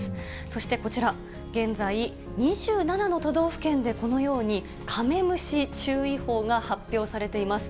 そしてこちら、現在、２７の都道府県でこのように、カメムシ注意報が発表されています。